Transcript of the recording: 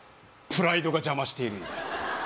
プライドが邪魔しているんだよ